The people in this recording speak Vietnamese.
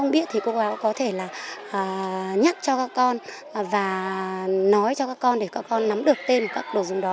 và nhắc cho các con và nói cho các con để các con nắm được tên của các đồ dùng đó